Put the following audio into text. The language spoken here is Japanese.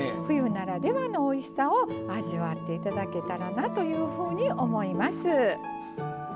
冬ならではのおいしさを味わって頂けたらなというふうに思います。